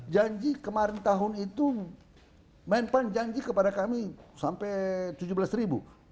janji kemarin tahun itu main main janji kepada kami sampai tujuh belas